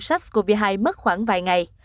sars cov hai mất khoảng vài ngày